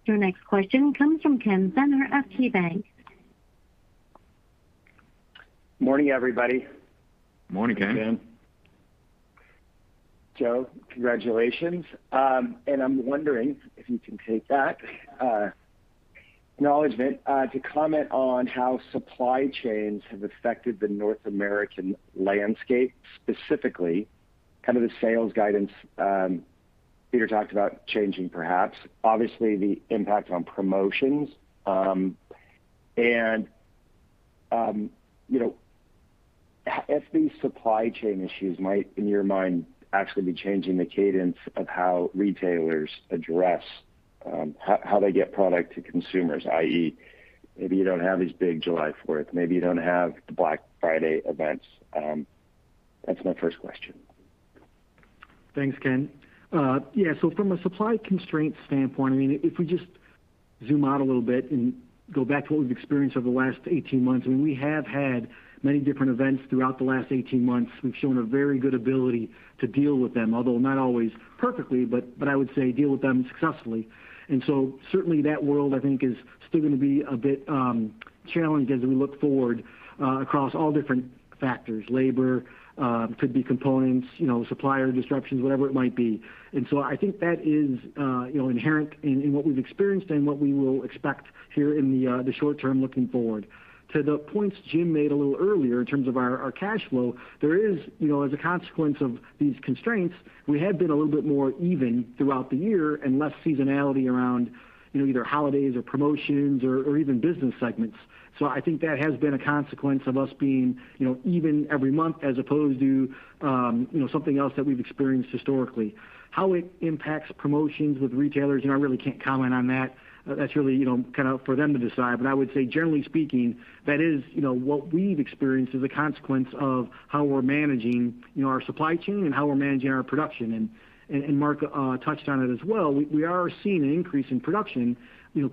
Your next question comes from Ken Zener of KeyBanc. Morning, everybody. Morning, Ken. Ken. Joe, congratulations. I'm wondering if you can take that acknowledgement to comment on how supply chains have affected the North American landscape, specifically the sales guidance Jim Peters talked about changing, perhaps. Obviously, the impact on promotions. If these supply chain issues might, in your mind, actually be changing the cadence of how retailers address how they get product to consumers, i.e., maybe you don't have these big July 4th, maybe you don't have the Black Friday events. That's my first question. Thanks, Ken. From a supply constraint standpoint, if we just zoom out a little bit and go back to what we've experienced over the last 18 months, we have had many different events throughout the last 18 months. We've shown a very good ability to deal with them, although not always perfectly, but I would say deal with them successfully. Certainly that world, I think is still going to be a bit challenged as we look forward across all different factors. Labor, could be components, supplier disruptions, whatever it might be. I think that is inherent in what we've experienced and what we will expect here in the short term looking forward. To the points Jim made a little earlier in terms of our cash flow, as a consequence of these constraints, we have been a little bit more even throughout the year and less seasonality around either holidays or promotions or even business segments. I think that has been a consequence of us being even every month as opposed to something else that we've experienced historically. How it impacts promotions with retailers, I really can't comment on that. That's really for them to decide. I would say generally speaking, that is what we've experienced as a consequence of how we're managing our supply chain and how we're managing our production. Marc touched on it as well. We are seeing an increase in production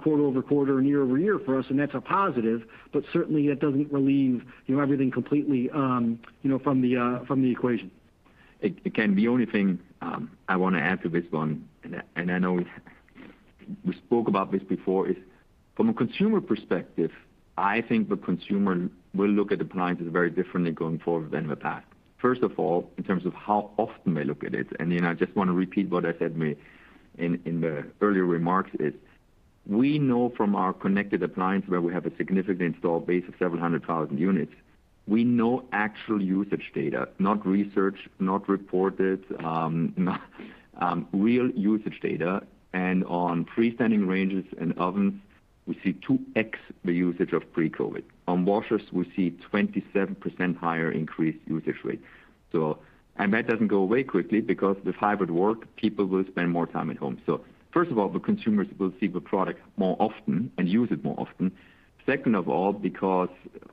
quarter-over-quarter and year-over-year for us, and that's a positive, but certainly that doesn't relieve everything completely from the equation. Ken, the only thing I want to add to this one, and I know we spoke about this before is from a consumer perspective, I think the consumer will look at appliances very differently going forward than the past. First of all, in terms of how often they look at it, and then I just want to repeat what I said in the earlier remarks. We know from our connected appliance, where we have a significant installed base of several hundred thousand units, we know actual usage data, not research, not reported, real usage data. On freestanding ranges and ovens, we see 2x the usage of pre-COVID. On washers, we see 27% higher increased usage rates. That doesn't go away quickly because with hybrid work, people will spend more time at home. First of all, the consumers will see the product more often and use it more often. Second of all, because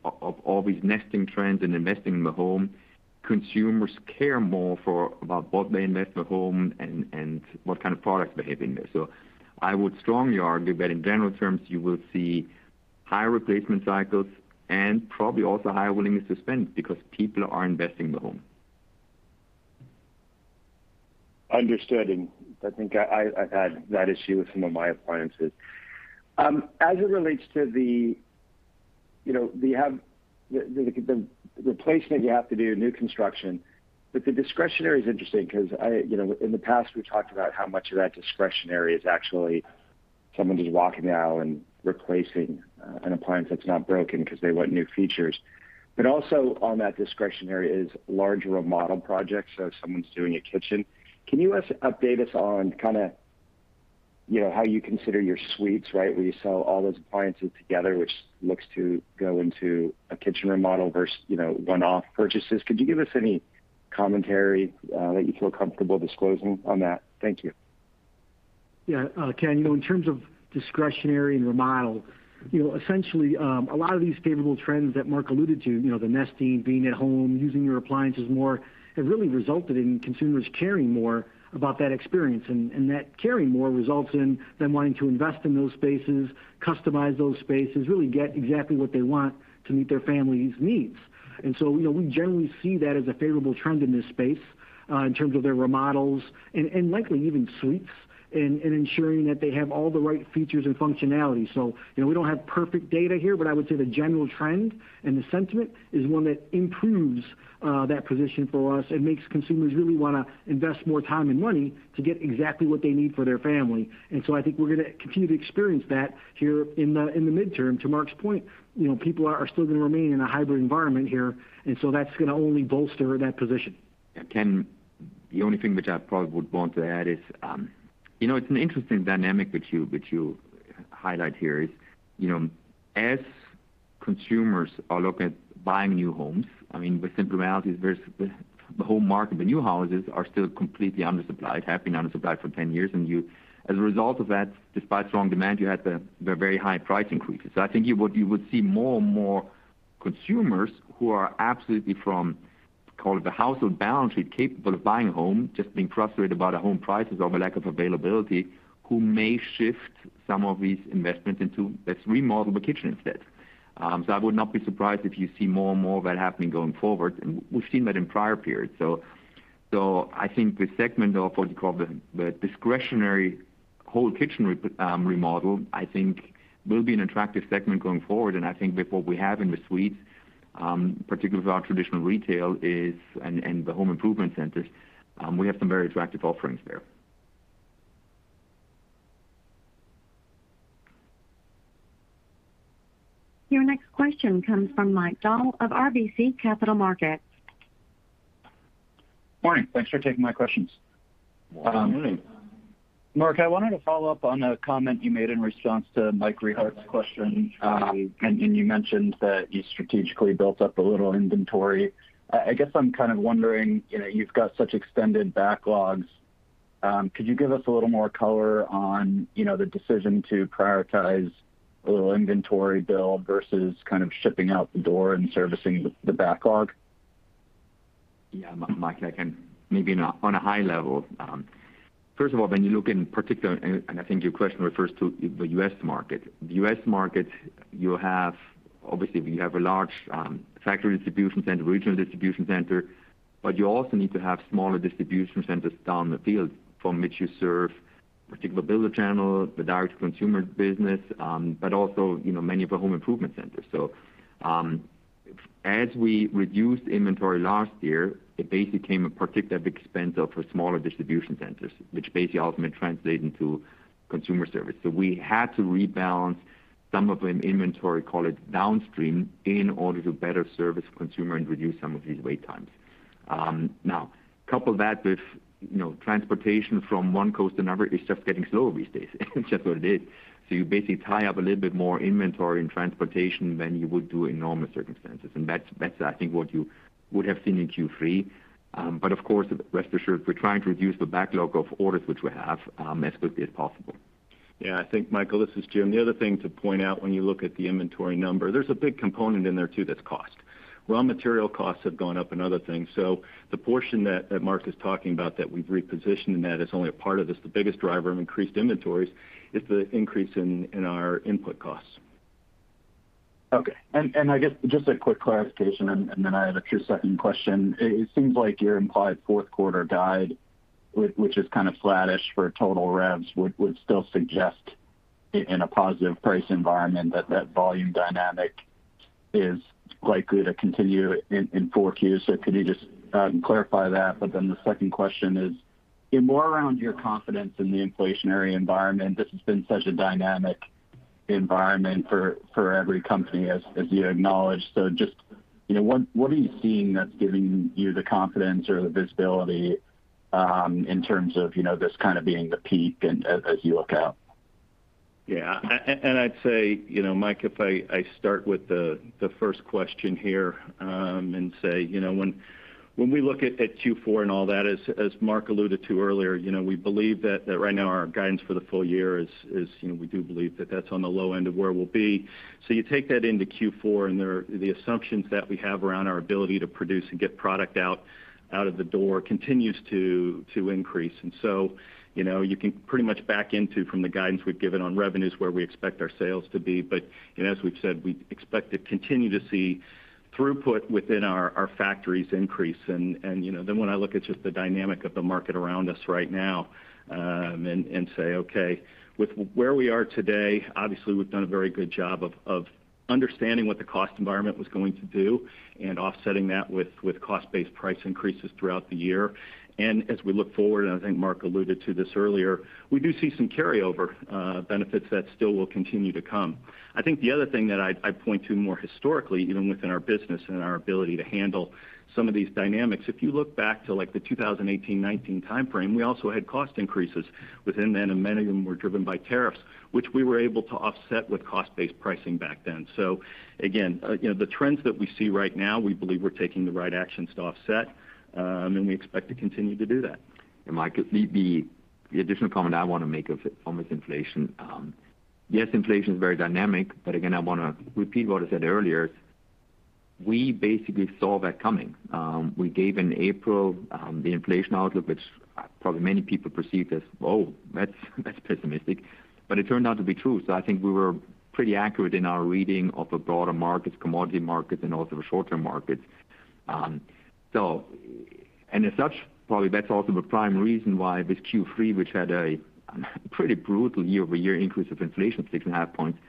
of all these nesting trends and investing in the home, consumers care more about what they invest in the home and what kind of products they have in there. I would strongly argue that in general terms, you will see higher replacement cycles and probably also higher willingness to spend because people are investing in the home. Understood. I think I've had that issue with some of my appliances. As it relates to the replacement you have to do, new construction, but the discretionary is interesting because, in the past, we've talked about how much of that discretionary is actually someone just walking out and replacing an appliance that's not broken because they want new features. Also on that discretionary is larger remodel projects, so if someone's doing a kitchen. Can you update us on how you consider your suites, right? Where you sell all those appliances together, which looks to go into a kitchen remodel versus one-off purchases. Could you give us any commentary that you feel comfortable disclosing on that? Thank you. Yeah. Ken, in terms of discretionary and remodel, essentially, a lot of these favorable trends that Marc alluded to, the nesting, being at home, using your appliances more, have really resulted in consumers caring more about that experience. That caring more results in them wanting to invest in those spaces, customize those spaces, really get exactly what they want to meet their family's needs. We generally see that as a favorable trend in this space, in terms of their remodels and likely even suites in ensuring that they have all the right features and functionality. We don't have perfect data here, but I would say the general trend and the sentiment is one that improves that position for us and makes consumers really want to invest more time and money to get exactly what they need for their family. I think we're going to continue to experience that here in the midterm. To Marc's point, people are still going to remain in a hybrid environment here, that's going to only bolster that position. Yeah. Ken, the only thing which I probably would want to add is, it's an interesting dynamic that you highlight here is, as consumers are looking at buying new homes, I mean, the simple reality is the whole market, the new houses are still completely undersupplied, have been undersupplied for 10 years, and as a result of that, despite strong demand, you had the very high price increases. I think you would see more and more consumers who are absolutely from, call it the household balance sheet, capable of buying a home, just being frustrated about the home prices or the lack of availability, who may shift some of these investments into, "Let's remodel the kitchen instead." I would not be surprised if you see more and more of that happening going forward, and we've seen that in prior periods. I think the segment of what you call the discretionary whole kitchen remodel, I think will be an attractive segment going forward, and I think that what we have in the suites, particularly with our traditional retail and the home improvement centers, we have some very attractive offerings there. Your next question comes from Mike Dahl of RBC Capital Markets. Morning. Thanks for taking my questions. Morning. Marc, I wanted to follow up on a comment you made in response to Michael Rehaut's question. Sure. You mentioned that you strategically built up a little inventory. I guess I'm kind of wondering, you've got such extended backlogs, could you give us a little more color on the decision to prioritize a little inventory build versus kind of shipping out the door and servicing the backlog? Yeah. Mike, I can maybe on a high level. First of all, when you look in particular, I think your question refers to the U.S. market. The U.S. market, obviously, we have a large factory distribution center, regional distribution center, you also need to have smaller distribution centers down the field from which you serve particular builder channels, the direct-to-consumer business, also many of the home improvement centers. As we reduced inventory last year, it basically came at particular big expense of our smaller distribution centers, which basically ultimately translate into consumer service. We had to rebalance some of the inventory, call it downstream, in order to better service consumer and reduce some of these wait times. Now, couple that with transportation from one coast to another is just getting slower these days, it's just what it is. You basically tie up a little bit more inventory in transportation than you would do in normal circumstances, and that's I think what you would have seen in Q3. Of course, rest assured, we're trying to reduce the backlog of orders which we have as quickly as possible. Yeah. I think, Mike, this is Jim. The other thing to point out when you look at the inventory number, there's a big component in there, too, that's cost. Raw material costs have gone up and other things. The portion that Marc is talking about that we've repositioned and that is only a part of this, the biggest driver of increased inventories is the increase in our input costs. Okay. I guess just a quick clarification and then I have a two-second question. It seems like your implied fourth quarter guide, which is kind of flattish for total revs, would still suggest, in a positive price environment, that that volume dynamic is likely to continue in 4Qs. Could you just clarify that? The second question is more around your confidence in the inflationary environment. This has been such a dynamic environment for every company as you acknowledged. Just what are you seeing that's giving you the confidence or the visibility in terms of this being the peak and as you look out? Yeah. I'd say, Mike, if I start with the first question here, and say when we look at Q4 and all that, as Marc alluded to earlier, we believe that right now our guidance for the full year is, we do believe that that's on the low end of where we'll be. You take that into Q4, and the assumptions that we have around our ability to produce and get product out of the door continues to increase. You can pretty much back into from the guidance we've given on revenues where we expect our sales to be. As we've said, we expect to continue to see throughput within our factories increase and then when I look at just the dynamic of the market around us right now, and say, okay, with where we are today, obviously we've done a very good job of understanding what the cost environment was going to do and offsetting that with cost-based price increases throughout the year. As we look forward, and I think Marc alluded to this earlier, we do see some carryover benefits that still will continue to come. I think the other thing that I'd point to more historically, even within our business and our ability to handle some of these dynamics, if you look back to like the 2018-2019 timeframe, we also had cost increases within then, and many of them were driven by tariffs, which we were able to offset with cost-based pricing back then. Again, the trends that we see right now, we believe we're taking the right actions to offset, and we expect to continue to do that. Mike, the additional comment I want to make on this inflation. Inflation is very dynamic, but again, I want to repeat what I said earlier. We basically saw that coming. We gave in April, the inflation outlook, which probably many people perceived as, "Whoa, that's pessimistic." It turned out to be true. I think we were pretty accurate in our reading of the broader markets, commodity markets, and also the short-term markets. As such, probably that's also the prime reason why with Q3, which had a pretty brutal year-over-year increase of inflation of 6.5 points,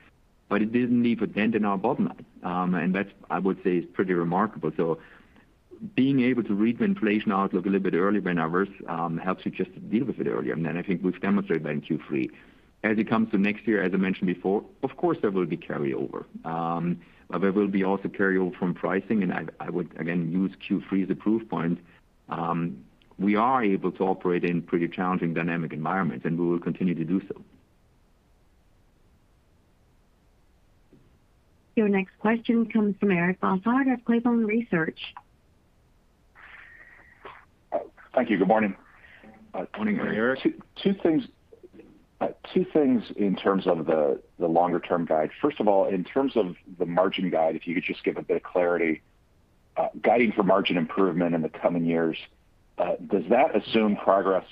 but it didn't leave a dent in our bottom line. That I would say is pretty remarkable. Being able to read the inflation outlook a little bit early when others, helps you just deal with it earlier. I think we've demonstrated that in Q3. As it comes to next year, as I mentioned before, of course, there will be carryover. There will be also carryover from pricing, and I would again use Q3 as a proof point. We are able to operate in pretty challenging dynamic environments, and we will continue to do so. Your next question comes from Eric Bosshard of Cleveland Research. Thank you. Good morning. Morning, Eric. Two things in terms of the longer-term guide. First of all, in terms of the margin guide, if you could just give a bit of clarity, guiding for margin improvement in the coming years, does that assume progress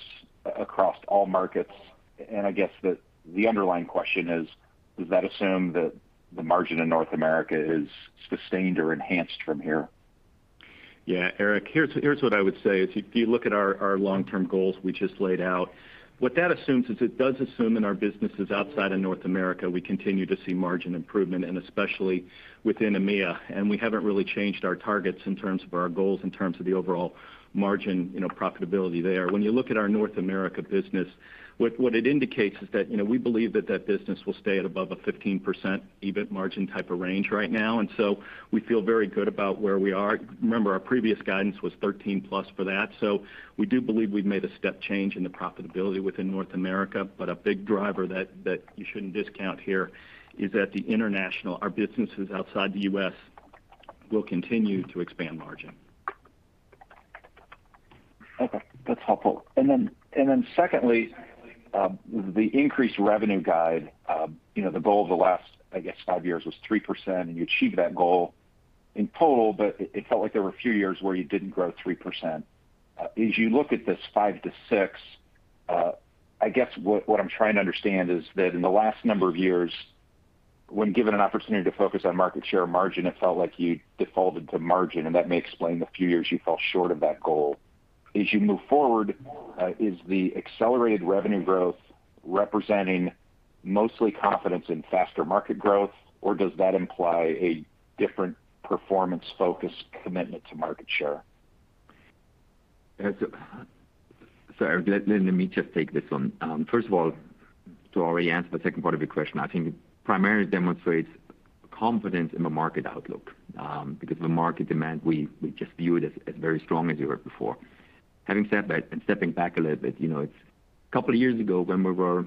across all markets? I guess the underlying question is, does that assume that the margin in North America is sustained or enhanced from here? Yeah, Eric, here's what I would say is if you look at our long-term goals we just laid out, what that assumes is it does assume in our businesses outside of North America, we continue to see margin improvement and especially within EMEA. We haven't really changed our targets in terms of our goals, in terms of the overall margin profitability there. When you look at our North America business, what it indicates is that we believe that that business will stay at above a 15% EBIT margin type of range right now, and so we feel very good about where we are. Remember, our previous guidance was 13+ for that. We do believe we've made a step change in the profitability within North America, but a big driver that you shouldn't discount here is that the international, our businesses outside the U.S. will continue to expand margin. Okay. That's helpful. Secondly, the increased revenue guide, the goal of the last, I guess, five years was 3%, and you achieved that goal in total, but it felt like there were a few years where you didn't grow 3%. You look at this five-six, I guess what I'm trying to understand is that in the last number of years, when given an opportunity to focus on market share margin, it felt like you defaulted to margin, and that may explain the few years you fell short of that goal. You move forward, is the accelerated revenue growth representing mostly confidence in faster market growth, or does that imply a different performance-focused commitment to market share? Eric, let me just take this one. First of all, to already answer the second part of your question, I think it primarily demonstrates confidence in the market outlook. The market demand, we just view it as very strong as you heard before. Having said that and stepping back a little bit, a couple of years ago when we were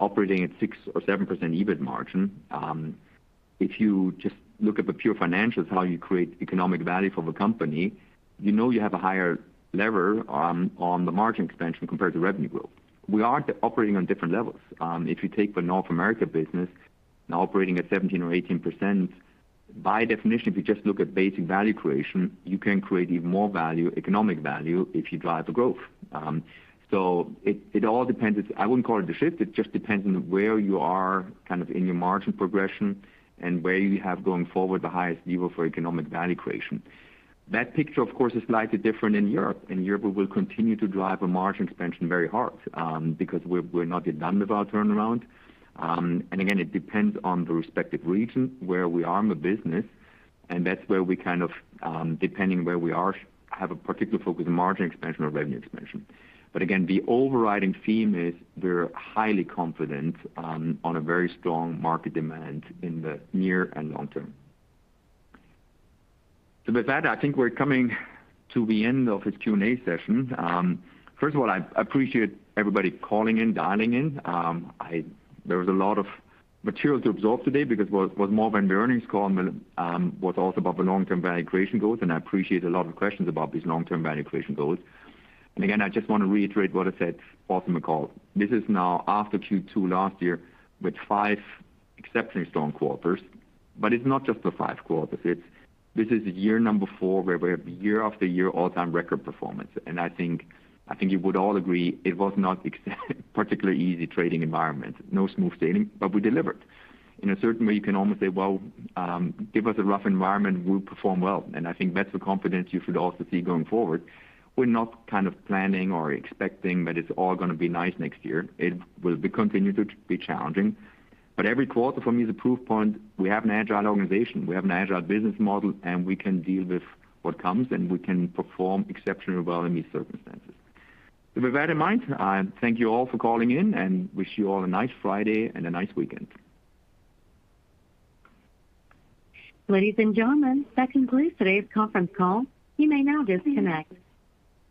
operating at 6% or 7% EBIT margin, if you just look at the pure financials, how you create economic value for the company, you know you have a higher lever on the margin expansion compared to revenue growth. We are operating on different levels. If you take the North America business now operating at 17% or 18%, by definition, if you just look at basic value creation, you can create even more value, economic value, if you drive the growth. It all depends. I wouldn't call it a shift. It just depends on where you are in your margin progression and where you have going forward the highest lever for economic value creation. That picture, of course, is slightly different in Europe. In Europe, we will continue to drive a margin expansion very hard, because we're not yet done with our turnaround. Again, it depends on the respective region where we are in the business, and that's where we, depending where we are, have a particular focus on margin expansion or revenue expansion. Again, the overriding theme is we're highly confident on a very strong market demand in the near and long term. With that, I think we're coming to the end of this Q&A session. First of all, I appreciate everybody calling in, dialing in. There was a lot of material to absorb today because it was more of an earnings call and was also about the long-term value creation goals. I appreciate a lot of questions about these long-term value creation goals. Again, I just want to reiterate what I said at the bottom of the call. This is now after Q2 last year with five exceptionally strong quarters. It's not just the five quarters. This is year number four where we have year after year all-time record performance. I think you would all agree it was not particularly easy trading environment. No smooth sailing, but we delivered. In a certain way, you can almost say, well, give us a rough environment, we'll perform well. I think that's the confidence you should also see going forward. We're not planning or expecting that it's all going to be nice next year. It will continue to be challenging. Every quarter for me is a proof point. We have an agile organization. We have an agile business model, and we can deal with what comes, and we can perform exceptionally well in these circumstances. With that in mind, thank you all for calling in, and wish you all a nice Friday and a nice weekend. Ladies and gentlemen, that concludes today's conference call. You may now disconnect.